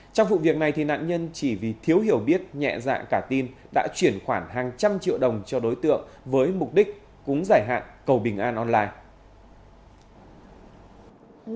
trong vụ việc này nạn nhân chỉ vì thiếu hiểu biết nhẹ dạ cả tin đã chuyển khoản hàng trăm triệu đồng cho đối tượng với mục đích cúng giải hạn cầu bình an online